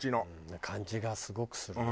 な感じがすごくするね。